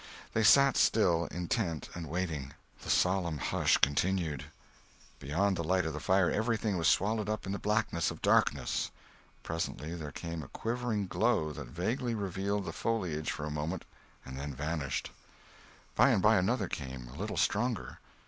They sat still, intent and waiting. The solemn hush continued. Beyond the light of the fire everything was swallowed up in the blackness of darkness. Presently there came a quivering glow that vaguely revealed the foliage for a moment and then vanished. By and by another came, a little stronger.